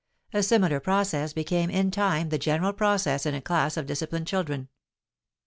A similar process became in time the general process in a class of disciplined children.